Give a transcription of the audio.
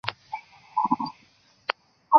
魏萨普失去了大学教职并逃离巴伐利亚。